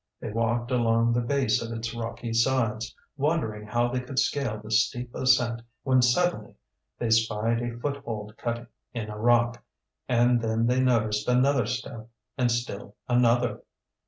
They walked along the base of its rocky sides, wondering how they could scale the steep ascent when suddenly they spied a foothold cut in a rock, and then they noticed another step and still another.